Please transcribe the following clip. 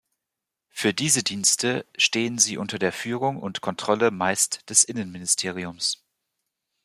Für diese Dienste stehen sie unter der Führung und Kontrolle meist des Innenministeriums.